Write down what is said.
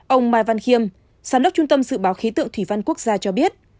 ông mai văn khiêm giám đốc trung tâm dự báo khí tượng thủy văn quốc gia cho biết